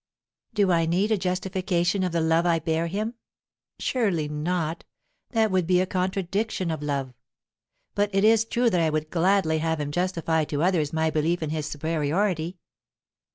Do I need a justification of the love I bear him? Surely not; that would be a contradiction of love. But it is true that I would gladly have him justify to others my belief in his superiority.